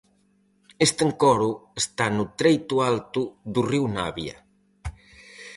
Este encoro está no treito alto do río Navia.